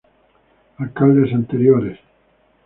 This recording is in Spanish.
Alcaldes anteriores